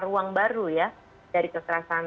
ruang baru ya dari kekerasan